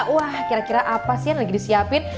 wah kira kira apa sih yang lagi disiapin